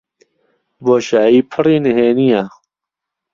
بۆشایی پڕی نهێنییە.